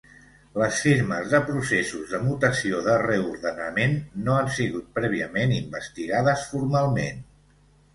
Les firmes de processos de mutació de reordenament no han sigut prèviament investigades formalment.